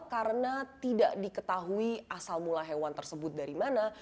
karena tidak diketahui asal mula hewan tersebut dari mana